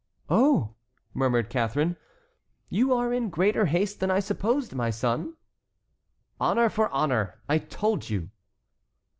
"Oh!" murmured Catharine; "you are in greater haste than I supposed, my son." "Honor for honor, I told you."